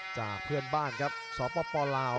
จากเพื่อนบ้านครับสปลาว